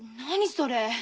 それ。